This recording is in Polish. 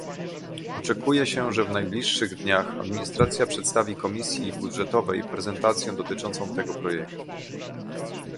Oczekuje się, że w najbliższych dniach administracja przedstawi Komisji Budżetowej prezentację dotyczącą tego projektu